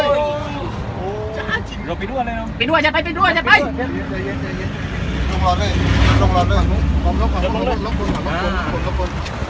ลงรอดเลยข้างบนข้างบนข้างบนข้างบนข้างบนข้างบน